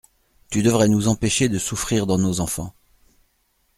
Tu devrais nous empêcher de souffrir dans nos enfants.